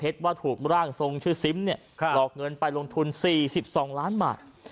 ว่าถูกร่างทรงชื่อซิมหลอกเงินไปลงทุน๔๒ล้านบาท